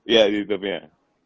ya di youtube nya